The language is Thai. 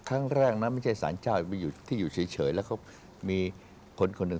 ครั้งแรกนะไม่ใช่สารเจ้าที่อยู่เฉยแล้วเขามีคนคนหนึ่ง